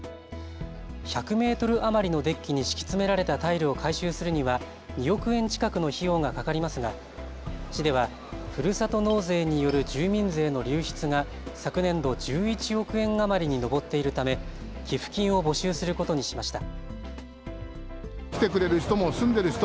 １００メートル余りのデッキに敷き詰められたタイルを改修するには２億円近くの費用がかかりますが市ではふるさと納税による住民税の流出が昨年度１１億円余りに上っているため寄付金を募集することにしました。